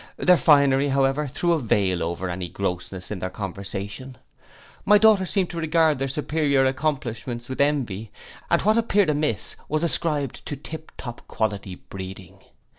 Their finery, however, threw a veil over any grossness in their conversation. My daughters seemed to regard their superior accomplishments with envy; and what appeared amiss was ascribed to tip top quality breeding.